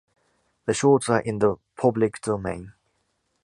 The shorts are in the Public Domain.